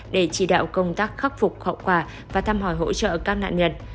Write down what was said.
để chỉ đạo công tác khắc phục hậu quả và thăm hỏi hỗ trợ các nạn nhân